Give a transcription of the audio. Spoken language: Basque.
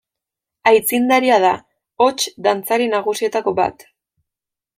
Aitzindaria da, hots, dantzari nagusietako bat.